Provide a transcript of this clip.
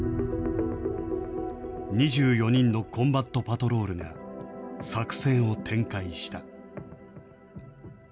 ２４人のコンバット・パトロールが作戦を展開した。